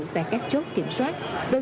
tại các chốt kiểm soát